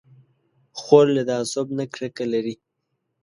خور له تعصب نه کرکه لري.